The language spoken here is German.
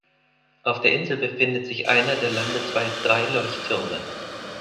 Auf der Insel befindet sich einer der landesweit drei Leuchttürme.